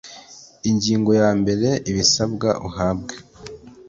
ingingo ya mbere ibisabwa uwahawe